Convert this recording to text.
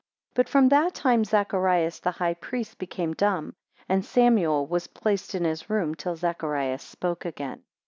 5 But from that time Zacharias the high priest became dumb, and Samuel was placed in his room till Zacharias spoke again.